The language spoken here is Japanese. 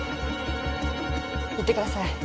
行ってください